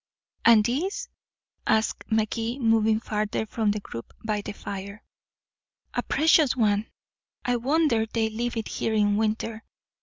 "And this?" asked Magee, moving farther from the group by the fire. "A precious one I wonder they leave it here in winter.